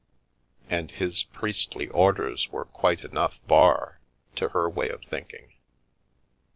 And his priestly orders were quite enough bar, to her way of thinking.